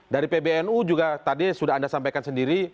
dari pbnu juga tadi sudah anda sampaikan sendiri